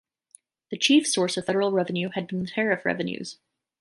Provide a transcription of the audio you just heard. The chief source of Federal revenue had been the tariff revenues.